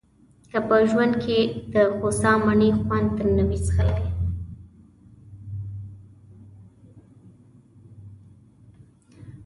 که په ژوند کې دخوسا مڼې خوند نه وي څکلی.